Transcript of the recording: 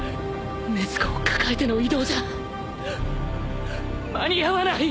禰豆子を抱えての移動じゃ間に合わない